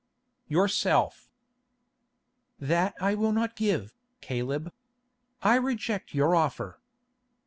"Yourself." "That I will not give, Caleb. I reject your offer."